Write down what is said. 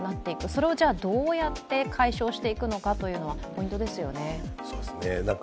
それをどうやって解消していくのかがポイントですよね。